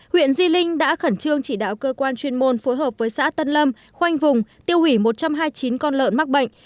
huyện di linh đã khẩn trương chỉ đạo cơ quan chuyên môn phối hợp với xã tân lâm khoanh vùng tiêu hủy một trăm hai mươi chín con lợn mắc bệnh